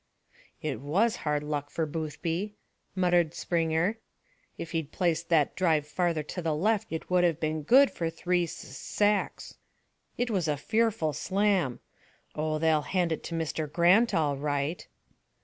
"It was hard luck for Boothby," muttered Springer. "If he'd placed that drive farther to the left it would have been good for three sus sacks. It was a fearful slam. Oh, they'll hand it to Mr. Grant, all right!"